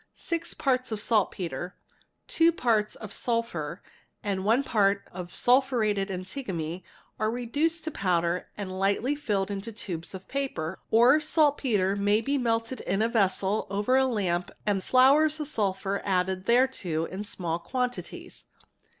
6 parts of saltpetre, 2 parts of Iphur, and 1 part of sulphurated antimony are reduced to powder and ghtly filled into tubes of paper; or saltpetre may be melted in a vessel er a lamp and flours of sulphur added thereto in small quantities.